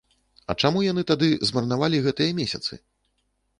А чаму яны тады змарнавалі гэтыя месяцы?